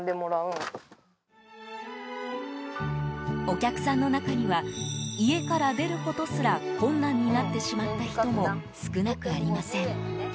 お客さんの中には家から出ることすら困難になってしまった人も少なくありません。